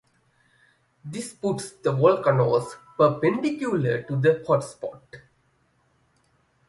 This puts the volcanoes perpendicular to the hotspot.